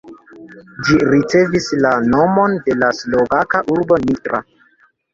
Ĝi ricevis la nomon de la slovaka urbo Nitra.